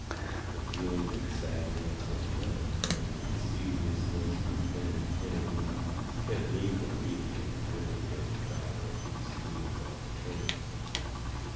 The feeling that sadness and melancholy and seriousness was laying ahead of me kept me from really enjoying them dollar apiece meals on the train.